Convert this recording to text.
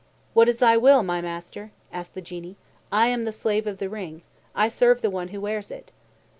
"What is thy will, my master?" asked the Genie. "I am the Slave of the Ring. I serve the one who wears it."